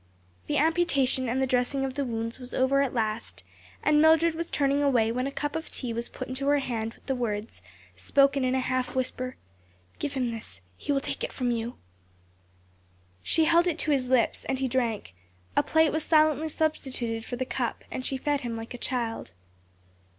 The amputation and the dressing of the wounds was over at last and Mildred was turning away when a cup of tea was put into her hand with the words, spoken in a half whisper, "Give him this; he will take it from you." She held it to his lips and he drank; a plate was silently substituted for the cup and she fed him like a child.